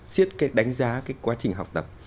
siết cái đánh giá cái quá trình học tập